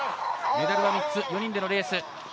メダルは３つ、４人でのレース。